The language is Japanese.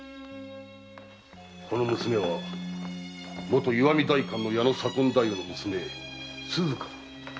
この娘はもと石見代官の矢野左近大夫の娘・鈴加だ。